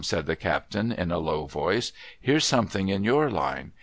' said the captain, in a low voice. ' Here's some thing in your line.